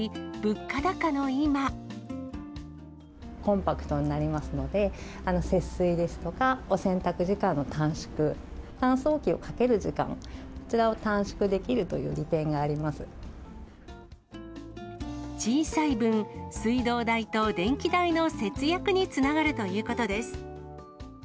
コンパクトになりますので、節水ですとかお洗濯時間の短縮、乾燥機をかける時間、こちらを短小さい分、水道代と電気代の節約につながるということです。